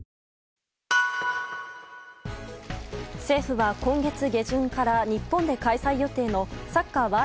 政府は今月下旬から日本で開催予定のサッカー